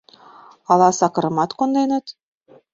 — Ала сакырымат конденыт?